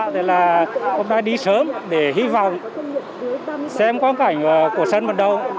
tôi đã đi sớm để hy vọng xem quan cảnh của sân vận động